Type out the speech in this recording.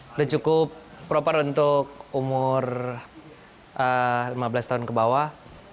sudah cukup proper untuk umur lima belas tahun ke bawah